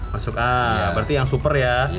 masuk a berarti yang super ya